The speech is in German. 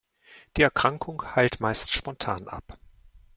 Die Erkrankung heilt meist spontan ab.